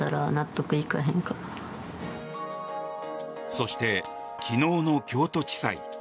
そして、昨日の京都地裁。